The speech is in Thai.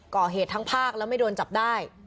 ก่อเหตุทั้งภาคแล้วไม่โดนจับได้